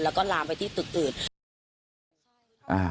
แล้วก็ลามไปที่ตึกอื่น